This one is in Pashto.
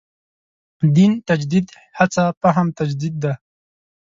دین تجدید هڅه فهم تجدید دی.